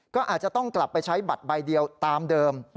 ก็อาจจะต้องกลับไปใช้บัตรใบเดียวตามเดิม